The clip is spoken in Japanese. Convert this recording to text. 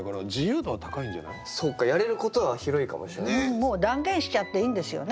もう断言しちゃっていいんですよね。